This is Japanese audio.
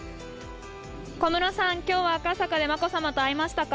小室さん、今日は赤坂で眞子さまと会いましたか？